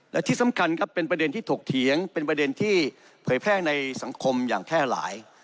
และที่สำคัญครับเป็นประเด็นที่ถกเถียงเป็นประเด็นที่เผยแพร่ในสังคมอย่างแพร่หลาย